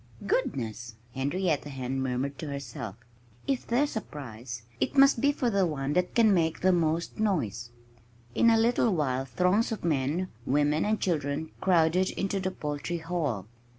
"Goodness!" Henrietta Hen murmured to herself. "If there's a prize, it must be for the one that can make the most noise." In a little while throngs of men, women and children crowded into the Poultry Hall.